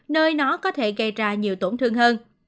nơi nó có thể gây ra nhiều tổn thương hơn